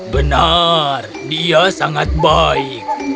benar dia sangat baik